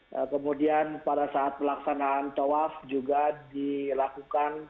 jadi kemudian pada saat pelaksanaan tawafah juga dilakukan